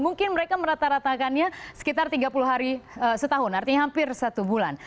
mungkin mereka merata ratakannya sekitar tiga puluh hari setahun artinya hampir satu bulan